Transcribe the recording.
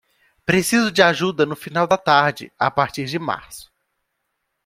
Preciso de ajuda no final da tarde, a partir de março.